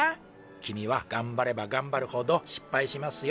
君はがんばればがんばるほどしっぱいしますよ。